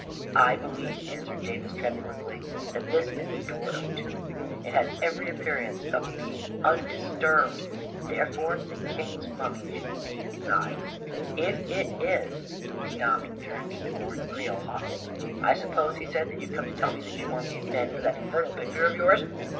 "" I believe," answered Davis, tremulously, " that this is the door of a tomb ; it has every appearance of being undisturbed; therefore the king's mummy should be inside. If it is ••." He stopped and turned toward Creel hotly. " I suppose," he said, " that youVe come to tell me that you want these men for that infernal picture of yours